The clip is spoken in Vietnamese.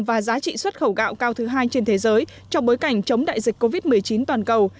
và giá trị xuất khẩu gạo cao thứ hai trên thế giới trong bối cảnh chống đại dịch covid một mươi chín toàn cầu